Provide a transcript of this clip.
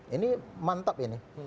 ini mantap ini